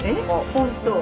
本当。